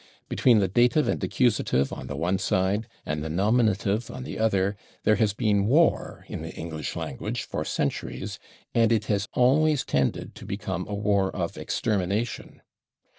Between the dative and accusative on the one side and the nominative on the other there has been war in the English language for centuries, and it has always tended to become a war of extermination.